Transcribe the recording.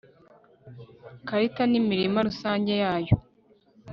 karita n'imirima rusange yayo